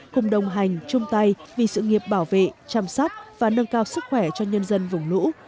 cùng đồng hành chung tay vì sự nghiệp bảo vệ chăm sóc và nâng cao sức khỏe cho nhân dân vùng lũ